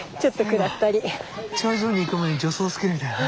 頂上に行く前に助走をつけるみたいなね。